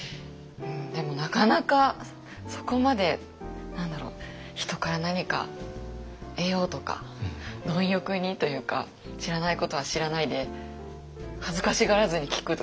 でもなかなかそこまで何だろう人から何か得ようとか貪欲にというか知らないことは知らないで恥ずかしがらずに聞くとか。